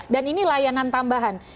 dan ini layanan tambahan